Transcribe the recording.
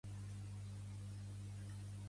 Pertany al moviment independentista la Maria Isabel?